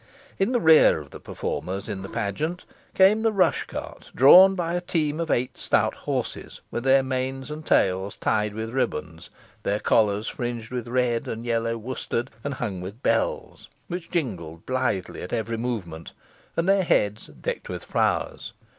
In the rear of the performers in the pageant came the rush cart drawn by a team of eight stout horses, with their manes and tails tied with ribands, their collars fringed with red and yellow worsted, and hung with bells, which jingled blithely at every movement, and their heads decked with flowers.